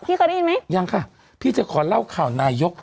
เคยได้ยินไหมยังค่ะพี่จะขอเล่าข่าวนายก